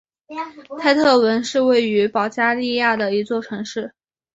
泰特文是位于保加利亚的一座城市。